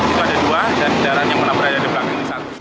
itu ada dua dan kendaraan yang pernah berada di belakang ini satu